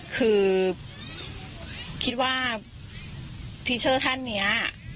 คือคิดว่าทีเชอร์ท่านนี้